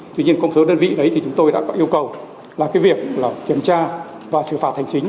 tuy nhiên công số đơn vị đấy thì chúng tôi đã có yêu cầu là cái việc kiểm tra và xử phạt hành chính